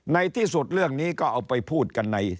ในที่สุดเรื่องนี้ก็เอาไปพูดกันใน